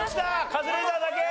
カズレーザーだけ。